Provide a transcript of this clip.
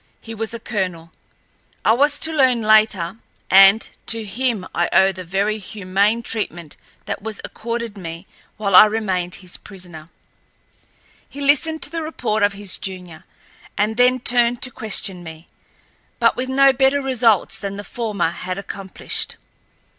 He was a colonel, I was to learn later, and to him I owe the very humane treatment that was accorded me while I remained his prisoner. He listened to the report of his junior, and then turned to question me, but with no better results than the former had accomplished.